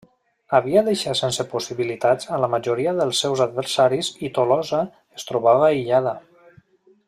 Havia deixat sense possibilitats a la majoria dels seus adversaris i Tolosa es trobava aïllada.